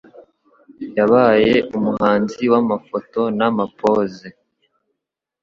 Yabaye umuhanzi wamafoto na ma pose